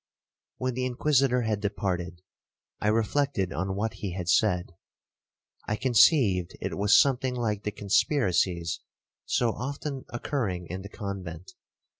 'When the Inquisitor had departed, I reflected on what he had said. I conceived it was something like the conspiracies so often occurring in the convent.